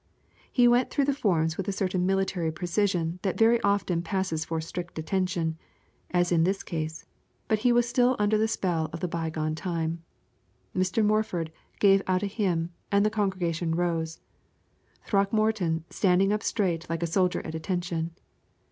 He went through the forms with a certain military precision that very often passed for strict attention, as in this case, but he was still under the spell of the bygone time. Mr. Morford gave out a hymn, and the congregation rose, Throckmorton standing up straight like a soldier at attention.